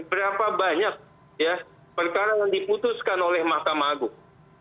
berapa banyak ya perkara yang diputuskan oleh mahkamah agung